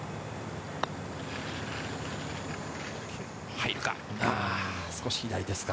入るか？